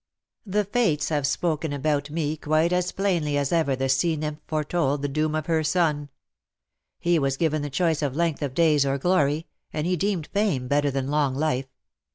The Fates have spoken about me quite as plainly as ever the sea nymph foretold the doom of her son. He was given the choice of length of days or glory, and he deemed fame better than long life.